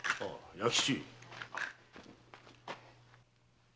弥吉